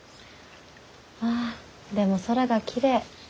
あでも空がきれい。